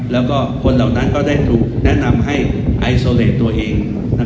แล้วก็คนเหล่านั้นก็ได้ถูกแนะนำให้ไอโซเลสตัวเอง